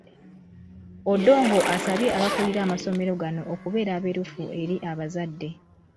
Odongo asabye abakulira amasomero gano okubeera abeerufu eri abazadde.